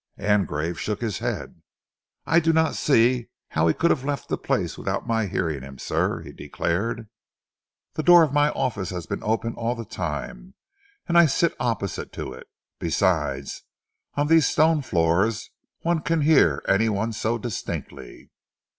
Angrave shook his head. "I do not see how he could have left the place without my hearing him, sir," he declared. "The door of my office has been open all the time, and I sit opposite to it. Besides, on these stone floors one can hear any one so distinctly."